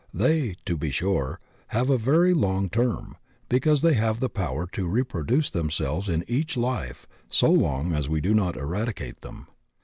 They, to be sure, have a very long term, because they have the power to re produce themselves in each life so long as we do not eradicate them.